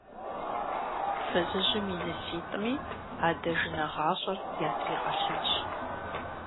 Фызыжьым и ныситӀми адэжынэ гъащӀэр ятригъэлъащ.